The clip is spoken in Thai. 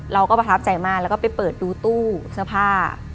เราก็ประทับใจมากแล้วก็ไปเปิดดูตู้เสื้อผ้า